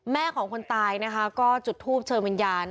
แม่ของคนตายนะคะก็จุดทูปเชิญวิญญาณ